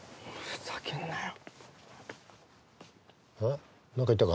ふざけんなよ！